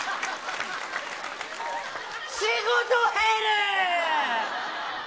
仕事が減る。